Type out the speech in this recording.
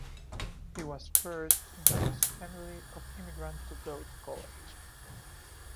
He was first in his family of immigrant to go to college.